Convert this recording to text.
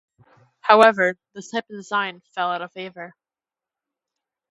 However, this type of design fell out of favour.